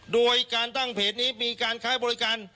โดยการตั้งเพจนี้มีการค้าบริการ